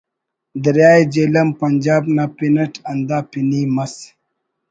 دریائے جہلم پنجاب نا پن اٹ ہندا پنی مس